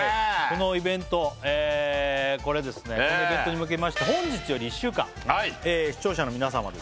このイベントに向けまして本日より１週間視聴者の皆様